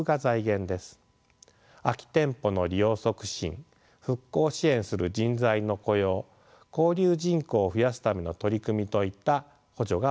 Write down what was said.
空き店舗の利用促進復興支援する人材の雇用交流人口を増やすための取り組みといった補助が行われました。